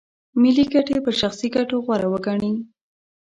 ملي ګټې پر شخصي ګټو غوره وګڼي.